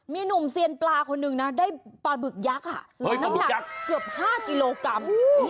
มีหนุ่มเซียนปลาคนหนึ่งนะได้ปลาบึกยักษ์น้ำหนักเกือบ๕กิโลกรัม